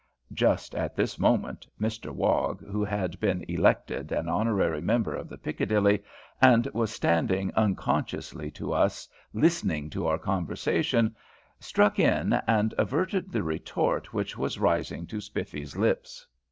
Just at this moment, Mr Wog, who had been elected an honorary member of the "Piccadilly," and was standing, unconsciously to us, listening to our conversation, struck in, and averted the retort which was rising to Spiffy's lips.